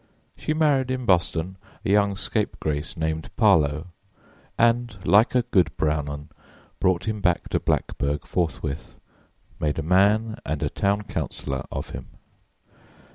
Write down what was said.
She married in Boston a young scapegrace named Parlow, and like a good Brownon brought him to Blackburg forthwith and made a man and a town councillor of him.